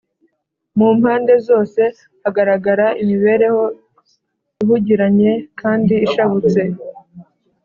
mu mpande zose hagaragaraga imibereho ihugiranye kandi ishabutse